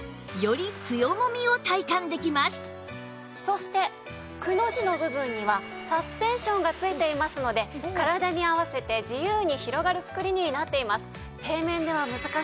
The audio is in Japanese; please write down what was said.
そしてくの字部分にはサスペンションがついていますので体に合わせて自由に広がる作りになっています。